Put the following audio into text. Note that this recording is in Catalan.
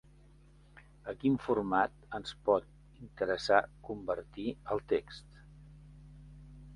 A quin format ens pot interessar convertir el text?